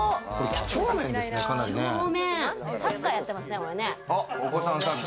サッカーやってますね。